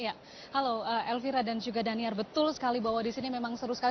ya halo elvira dan juga daniar betul sekali bahwa di sini memang seru sekali